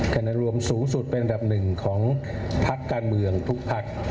คะแนนรวมสูงสุดเป็นอันดับหนึ่งของพักการเมืองทุกพัก